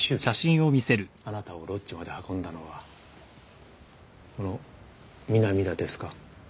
あなたをロッジまで運んだのはこの南田ですか？